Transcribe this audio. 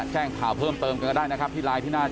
แจ้งข่าวเพิ่มเติมกันก็ได้นะครับที่ไลน์ที่หน้าจ